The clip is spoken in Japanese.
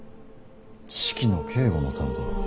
式の警固のためだろう。